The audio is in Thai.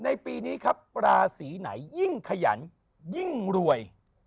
ในปีนี้ครับราศีไหนยิ่งขยันยิ่งรวย